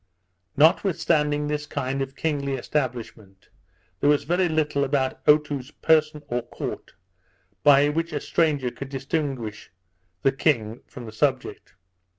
Notwithstanding this kind of kingly establishment, there was very little about Otoo's person or court by which a stranger could distinguish the king from the subject.